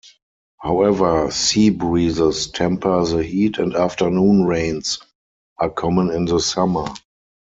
However, sea breezes temper the heat and afternoon rains are common in the summer.